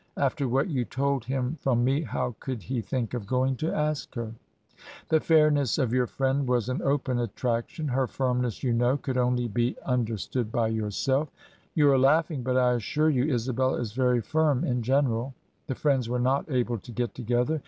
After what you told him from me, how could he think of going to ask her?' ... 'The fairness of your friend was an open at traction; her firmness, you know, could only be under 62 Digitized by VjOOQIC ANNE ELLIOT AND CATHARINE MORLAND stood by yourself/ 'You are laughing; but I assure you Isabella is very firm in general/ ... The friends were not able to get together